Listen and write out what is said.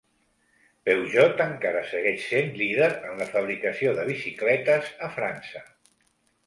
Peugeot encara segueix sent líder en la fabricació de bicicletes a França.